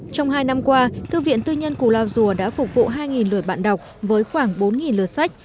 trong hai năm qua thư viện tư nhân cù lao dùa đã phục vụ hai lượt bạn đọc với khoảng bốn lượt sách